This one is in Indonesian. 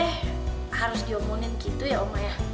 harus diomongin gitu ya oma